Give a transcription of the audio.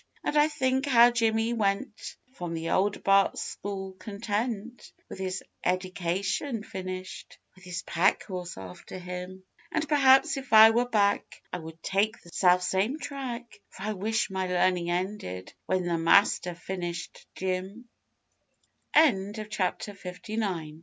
And I think how Jimmy went from the old bark school content, With his 'eddication' finished, with his pack horse after him; And perhaps if I were back I would take the self same track, For I wish my learning ended when the Master